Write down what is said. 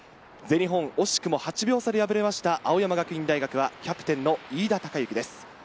全日本、惜しくも８秒差で敗れました青山学院大学はキャプテンの飯田貴之です。